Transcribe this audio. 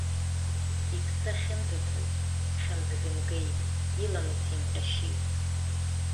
Иԥсы ахьынӡаҭаз, хьымӡӷ имгеит, иламыс имҟьашьит.